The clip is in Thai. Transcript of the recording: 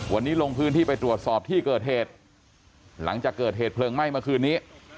วันนี้ลงพื้นที่ไปตรวจสอบที่เกิดเหตุหลังจากเกิดเหตุเพลิงไหม้เมื่อคืนนี้